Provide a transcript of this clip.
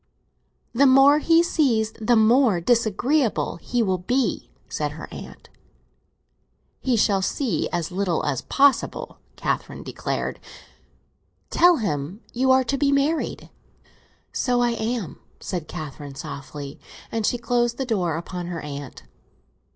"The more he sees the more disagreeable he will be," said her aunt. "He shall see as little as possible!" Catherine declared. "Tell him you are to be married." "So I am," said Catherine softly; and she closed the door upon her aunt.